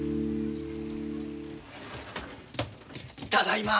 ただいま。